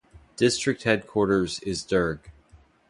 District headquarters is Durg.